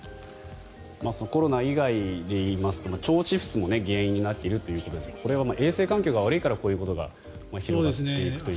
コロナ以外で言いますと腸チフスも原因になっているということですがこれは衛生環境が悪いからこういうことが広がっていくと。